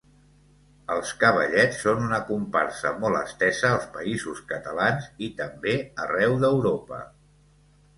Els cavallets són una comparsa molt estesa als Països Catalans i també arreu d’Europa.